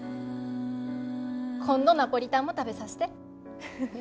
今度ナポリタンも食べさせて。